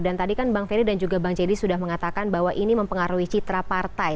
dan tadi kan bang ferry dan juga bang jayadi sudah mengatakan bahwa ini mempengaruhi citra partai